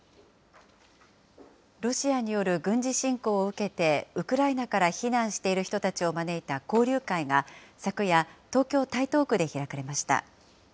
ロシアによる軍事侵攻を受けて、ウクライナから避難している人たちを招いた交流会が、昨夜、東京・台東区で開かれました。